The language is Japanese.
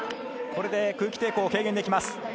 これで空気抵抗を軽減できます。